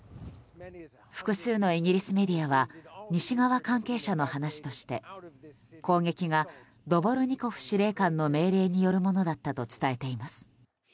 複数のイギリスメディアは西側関係者の話として攻撃が、ドボルニコフ司令官の命令によるものだったと伝えています。